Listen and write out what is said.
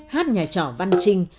hát nhà trò văn trinh